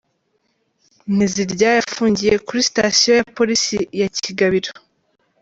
Nteziryayo afungiye kuri sitasiyo ya Polisi ya Kigabiro.